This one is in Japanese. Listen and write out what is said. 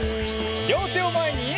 りょうてをまえに！